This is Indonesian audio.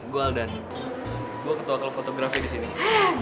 gue aldan gue ketua klub fotografi di sini